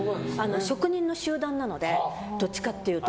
職人の集団なのでどっちかというと。